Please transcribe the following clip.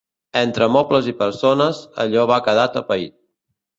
Entre mobles i persones, allò va quedar atapeït.